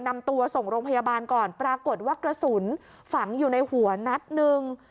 นำตัวส่งโรงพยาบาลก่อนปรากฏว่ากระสุนฝังอยู่ในหัวนัดหนึ่ง